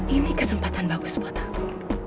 ini kesempatan bagus buat aku